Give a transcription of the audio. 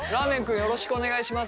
よろしくお願いします。